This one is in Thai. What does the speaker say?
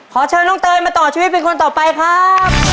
ขอเชิญน้องเตยมาต่อชีวิตเป็นคนต่อไปครับ